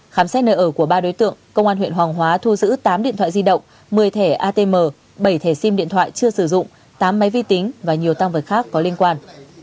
khám xét nơi ở của ba đối tượng công an huyện hoàng hóa thu giữ tám điện thoại di động một mươi thẻ atm bảy thẻ sim điện thoại chưa sử dụng tám máy vi tính và nhiều tăng vật khác có liên quan